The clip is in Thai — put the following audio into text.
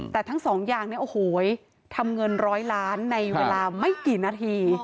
แต่ทั้งสองอย่างเนี่ยโอ้โหทำเงินร้อยล้านในเวลาไม่กี่นาที